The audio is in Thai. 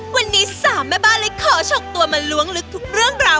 วันนี้๓แม่บ้านเลยขอฉกตัวมาล้วงลึกทุกเรื่องราว